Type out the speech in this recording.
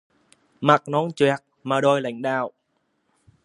Mặt non choẹt mà đòi lãnh đạo